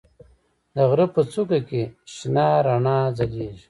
د غره په څوکه کې شنه رڼا ځلېږي.